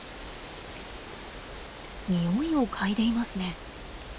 においを嗅いでいますね。